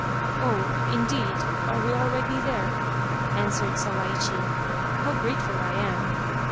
" Oh, indeed ! Are we already there f " answered Sawaichi, " how grateful I am